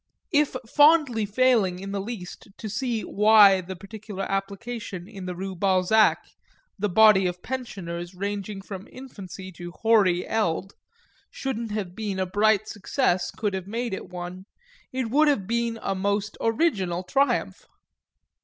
If fondly failing in the least to see why the particular application in the Rue Balzac the body of pensioners ranging from infancy to hoary eld shouldn't have been a bright success could have made it one, it would have been a most original triumph.